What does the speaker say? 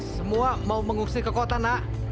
semua mau mengungsi ke kota nak